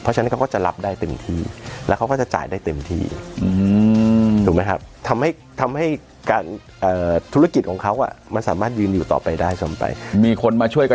เพราะฉะนั้นเขาก็จะรับได้เต็มที่แล้วเขาก็จะจ่ายได้เต็มที่ถูกไหมครับ